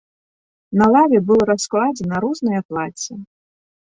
На лаве было раскладзена рознае плацце.